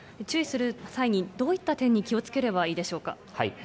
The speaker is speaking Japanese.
注意する際に、どういった点に気をつければいいでしょうか。